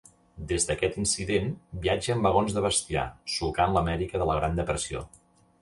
Des d'aquest incident, viatja en vagons de bestiar, solcant l'Amèrica de la Gran Depressió.